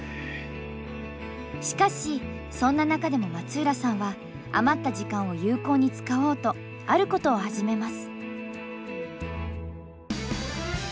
しかしそんな中でも松浦さんは余った時間を有効に使おうとあることを始めます。